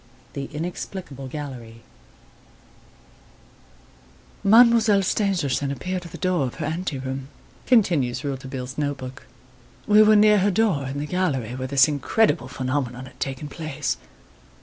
The Inexplicable Gallery "Mademoiselle Stangerson appeared at the door of her ante room," continues Rouletabille's note book. "We were near her door in the gallery where this incredible phenomenon had taken place.